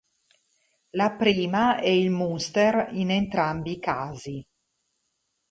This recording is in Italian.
La prima è il Munster in entrambi i casi.